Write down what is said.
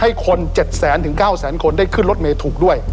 ให้คนเจ็ดแสนถึงเก้าแสนคนได้ขึ้นรถเมฆถูกด้วย